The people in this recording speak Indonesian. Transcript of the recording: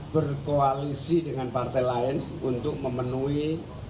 berkoalisi dengan partai lain untuk memenuhi